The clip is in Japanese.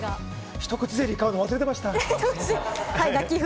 ひと口ゼリーを買うのを忘れていました。